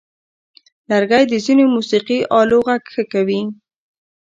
لرګی د ځینو موسیقي آلو غږ ښه کوي.